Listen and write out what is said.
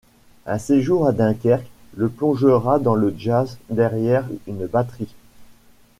Un séjour à Dunkerque le plongera dans le jazz derrière une batterie.